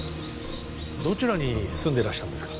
どちらに住んでらしたんですか？